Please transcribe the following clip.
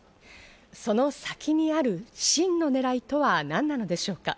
その先にある真の狙いとは何なのでしょうか。